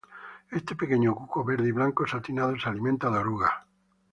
Este pequeño cuco verde y blanco satinado se alimenta de orugas.